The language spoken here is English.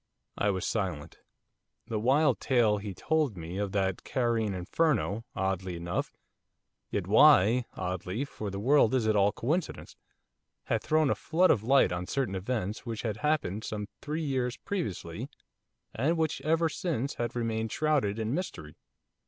I was silent. The wild tale he had told me of that Cairene inferno, oddly enough yet why oddly, for the world is all coincidence! had thrown a flood of light on certain events which had happened some three years previously and which ever since had remained shrouded in mystery.